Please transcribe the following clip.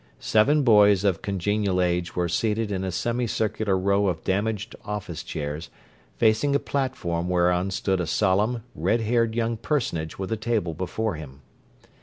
Seven boys of congenial age were seated in a semicircular row of damaged office chairs, facing a platform whereon stood a solemn, red haired young personage with a table before him.